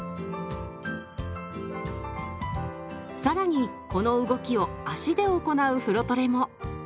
更にこの動きを足で行う風呂トレも。